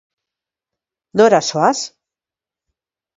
Nora zoaz?